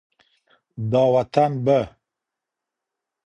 دا وطن به